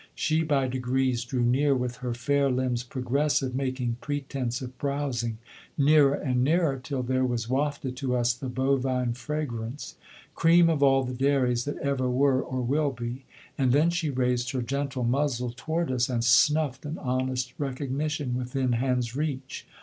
She by degrees drew near with her fair limbs progressive, making pretense of browsing; nearer and nearer till there was wafted to us the bovine fragrance, cream of all the dairies that ever were or will be, and then she raised her gentle muzzle toward us, and snuffed an honest recognition within hand's reach.